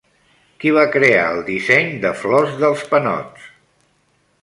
Qui va crear el disseny de flors dels panots?